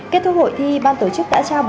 kết thúc hội thi ban tổ chức đã trao